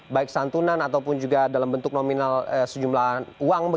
baik santunan ataupun juga dalam bentuk nominal sejumlah uang